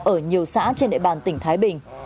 ở nhiều xã trên đệ bàn tỉnh thái bình